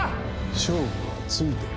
勝負はついてる。